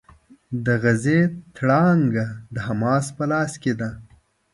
د غزې تړانګه د حماس په لاس کې ده.